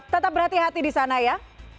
tetap berhati hati di sana ya